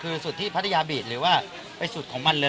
คือสุดที่พัทยาบีดหรือว่าไปสุดของมันเลย